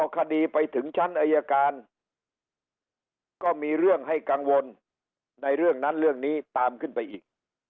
คดีไปถึงชั้นอายการก็มีเรื่องให้กังวลในเรื่องนั้นเรื่องนี้ตามขึ้นไปอีก